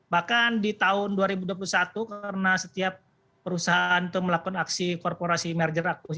bahkan di tahun dua ribu dua puluh satu karena setiap perusahaan itu melakukan aksi korporasi merger aku